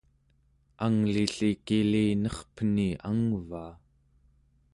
angli-lli kilinerpeni angvaa!